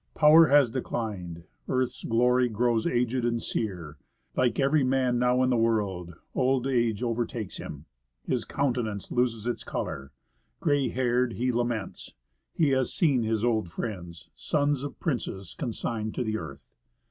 Power has declined, earth's glory grows aged and sear, Like every man now in the world; old age overtakes him. His countenance loses its color, gray haired he laments; He has seen his old friends, sons of princes, consigned to the earth.